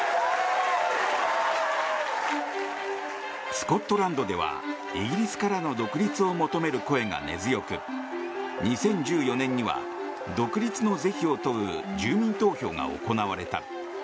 スコットランドではイギリスからの独立を求める声が根強く２０１４年には独立の是非を問う住民投票が行われた。